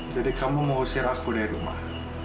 jadi kamu mau usir aku dari rumah